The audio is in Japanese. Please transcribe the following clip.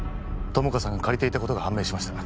友果さんが借りていたことが判明しました